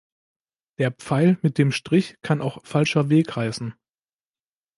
Der Pfeil mit dem Strich kann auch "falscher Weg" heißen.